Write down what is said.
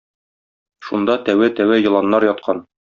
Шунда тәвә-тәвә еланнар яткан.